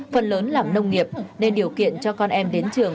phần lớn làm nông nghiệp nên điều kiện cho con em đến trường